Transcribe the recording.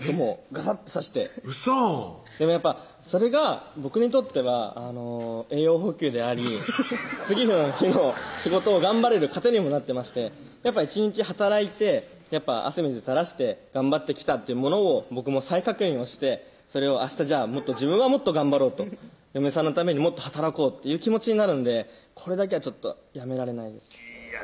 ガサッとさしてウソーでもやっぱそれが僕にとっては栄養補給であり次の日の仕事を頑張れる糧にもなってましてやっぱ１日働いて汗水垂らして頑張ってきたってものを僕も再確認をしてそれを明日じゃあ自分はもっと頑張ろうと嫁さんのためにもっと働こうという気持ちになるんでこれだけはやめられないですいや